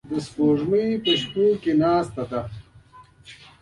د سپوږمۍ په شپو کې ناسته ده